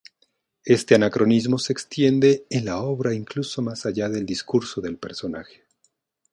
Este anacronismo se extiende en la obra incluso más allá del discurso del personaje.